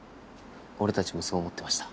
俺たちもそう思ってました。